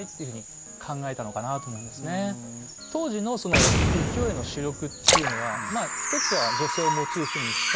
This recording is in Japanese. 当時のその浮世絵の主力っていうのはまあ一つは女性をモチーフにした。